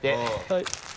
はい。